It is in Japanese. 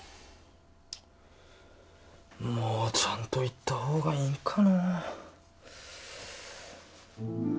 もうちゃんと言ったほうがいいんかの・